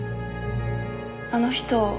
あの人